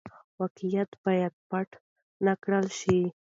واقعيت بايد پټ نه کړل شي.